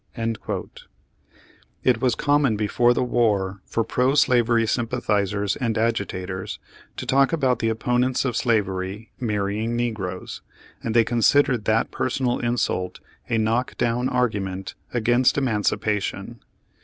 ^ It was common before the war, for pro slavery sympathizers and agitators to talk about the op ponents of slavery marrying negroes, and they considered that personal insult a knock down ar gument against emancipation.